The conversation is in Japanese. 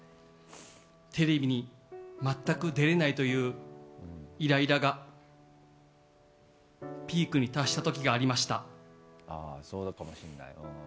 テレビに全く出れないというイライラがピークに達した時がありました。